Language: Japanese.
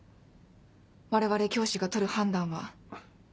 我々教師が取る判断は。